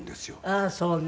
ああそうね。